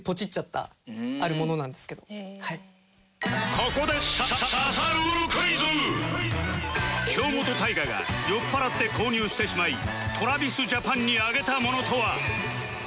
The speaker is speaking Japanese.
ここで京本大我が酔っ払って購入してしまい ＴｒａｖｉｓＪａｐａｎ にあげた物とは？